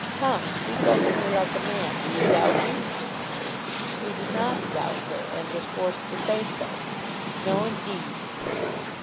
Come, speak openly like a man. Do you doubt me?" He did not doubt her, and was forced to say so. "No, indeed."